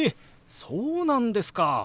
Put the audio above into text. そうなんですか！